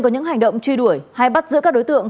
có những hành động truy đuổi hay bắt giữ các đối tượng